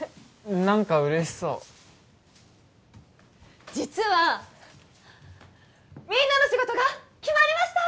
何か嬉しそう実はみんなの仕事が決まりました！